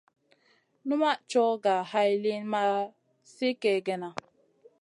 Numaʼ coyh ga hay liyn ma sli kègèna.